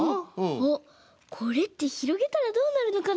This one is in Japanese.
あっこれってひろげたらどうなるのかな？